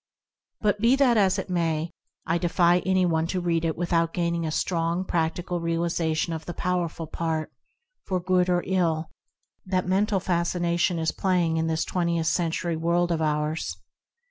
But, be that as it may, I defy anyone to read it without gaining a strong, practical realization of the powerful part, for good or ill, that Mental Fascination is play ing in this Twentieth Century world of ours.